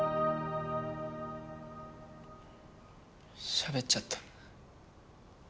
しゃべっちゃった。